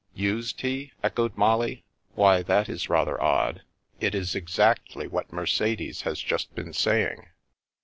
"Used he?" echoed Molly. "Why, that is rather odd. It is exactly what Mercedes has just been saying."